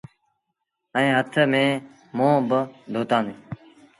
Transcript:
ائيٚݩ هٿ منهن با ڌوتآندي۔